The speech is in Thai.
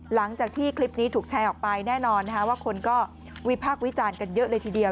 หลังจากที่คลิปนี้ถูกแชร์ออกไปแน่นอนว่าคนก็วิพากษ์วิจารณ์กันเยอะเลยทีเดียว